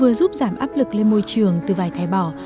vừa giúp giảm áp lực lên môi trường từ vài thái bỏ